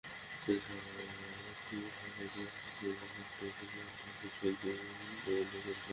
কিন্তু সম্প্রতি হঠাত্ করেই সিদ্ধান্ত পাল্টে ঝুঁকিপূর্ণ দৃশ্যে নিজেই অভিনয় করেন সালমান।